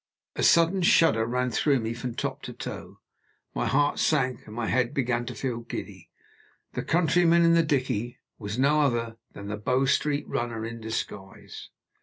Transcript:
A sudden shudder ran through me from top to toe; my heart sank; and my head began to feel giddy. The countryman in the dickey was no other than the Bow Street runner in disguise.